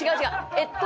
えっと